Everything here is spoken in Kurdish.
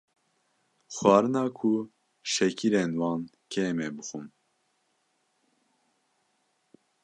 Xwarina ku şekîrên wan kêm e bixwin,.